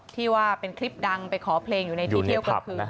ที่ว่าเป็นคลิปดังไปขอเพลงอยู่ในที่เที่ยวกลางคืน